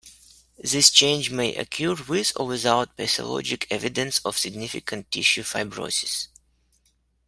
This change may occur with or without pathologic evidence of significant tissue fibrosis.